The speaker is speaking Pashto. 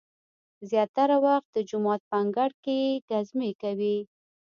زیاتره وخت د جومات په انګړ کې ګزمې کوي.